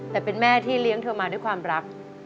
แต่เป็นแม่ที่เลี้ยงเธอมาด้วยความรัก